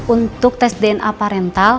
untuk tes dna parental